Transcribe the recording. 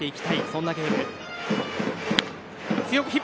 そんなゲーム。